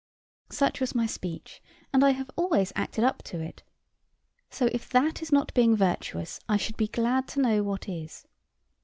Such was my speech, and I have always acted up to it; so if that is not being virtuous, I should be glad to know what is.